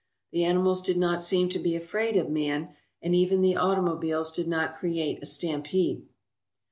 Th 4 e animals did not seem to be afraid of man, and even the automobiles did not create a stampede.